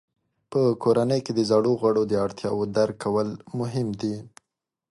په کورنۍ کې د زړو غړو د اړتیاوو درک کول مهم دي.